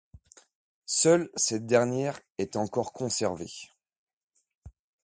Seule cette dernière est encore conservée.